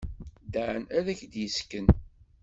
Dan ad ak-d-yessken.